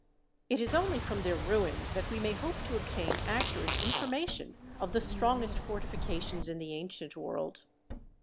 It is only from their ruins that we may hope to obtain accurate information of the strongest fortifications in the ancient world.